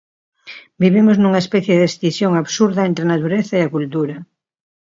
Vivimos nunha especie de excisión absurda entre a natureza e a cultura.